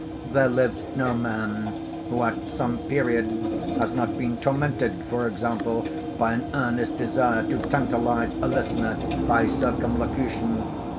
There lives no man who at some period has not been tormented, for example, by an earnest desire to tantalize a listener by circumlocution.